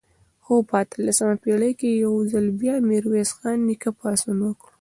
خو په اتلسمه پېړۍ کې یو ځل بیا میرویس خان نیکه پاڅون وکړ.